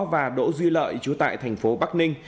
và đỗ duy lợi chú tại thành phố bắc ninh